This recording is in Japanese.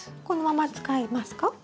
このまま使いますか？